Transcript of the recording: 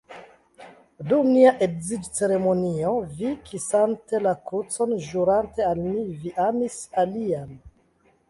Dum nia edziĝceremonio vi, kisante la krucon, ĵurante al mi, vi amis alian.